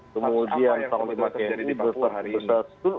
kemudian pak om iman terjadi di papua hari ini